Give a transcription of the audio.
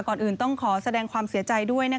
ก่อนอื่นต้องขอแสดงความเสียใจด้วย